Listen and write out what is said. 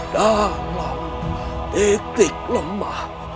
dalam titik lemah